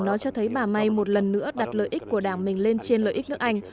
nó cho thấy bà may một lần nữa đặt lợi ích của đảng mình lên trên lợi ích nước anh